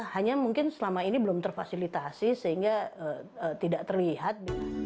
hanya mungkin selama ini belum terfasilitasi sehingga tidak terlihat